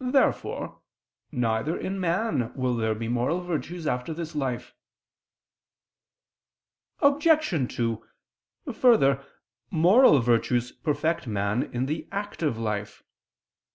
Therefore neither in man will there be moral virtues after this life. Obj. 2: Further, moral virtues perfect man in the active life.